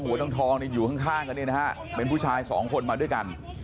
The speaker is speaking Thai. หัวทองอยู่ข้างใกล้เป็นผู้ชาย๒คนมาด้วยกัน